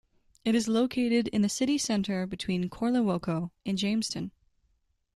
It is located in the city center between Korle Woko and Jamestown.